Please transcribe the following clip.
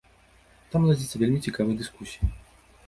Там ладзяцца вельмі цікавыя дыскусіі.